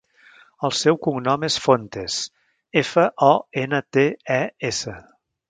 El seu cognom és Fontes: efa, o, ena, te, e, essa.